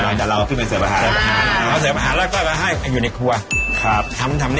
นานเดี๋ยวเราขึ้นไปเซิร์ฟอาหาร